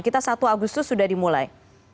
kita satu agustus sudah dimulai